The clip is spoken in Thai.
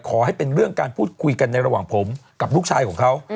ขอให้เป็นเรื่องการพูดคุยกันในระหว่างผมกับลูกชายของเขา